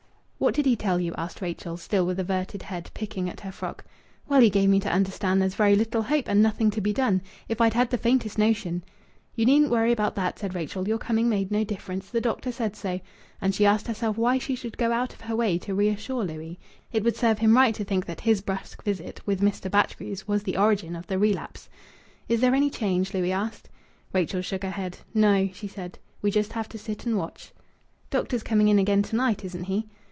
"What did he tell you?" asked Rachel, still with averted head, picking at her frock. "Well, he gave me to understand there's very little hope, and nothing to be done. If I'd had the faintest notion " "You needn't worry about that," said Rachel. "Your coming made no difference. The doctor said so." And she asked herself why she should go out of her way to reassure Louis. It would serve him right to think that his brusque visit, with Mr. Batchgrew's, was the origin of the relapse. "Is there any change?" Louis asked. Rachel shook her head "No," she said. "We just have to sit and watch." "Doctor's coming in again to night, isn't he?"